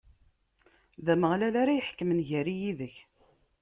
D Ameɣlal ara iḥekmen gar-i yid-k.